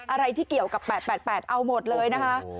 อะไรที่เกี่ยวกับ๘๘เอาหมดเลยนะคะ